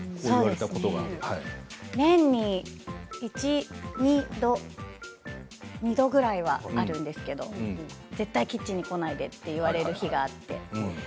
年に１、２度２度ぐらいはあるんですけれど絶対キッチンに来ないでって言われる日があって。